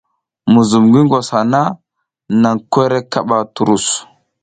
Muzum ngi ngwas hana, nan kwerek kaɓa turus.